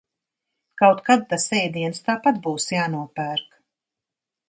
Kaut kad tas ēdiens tāpat būs jānopērk.